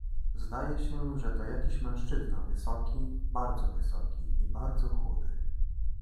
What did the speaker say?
"Zdaje się, że to jakiś mężczyzna wysoki, bardzo wysoki i bardzo chudy."